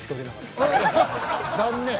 残念。